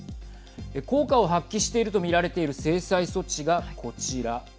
効果を発揮しているとみられている制裁措置がこちら。